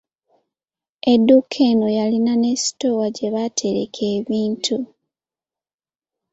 Edduuka eno yalina ne sitoowa gye batereka ebintu.